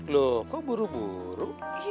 lo kok buru buru